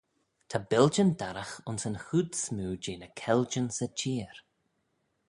Ta billjyn darragh ayns yn chooid smoo jeh ny keljyn 'sy çheer.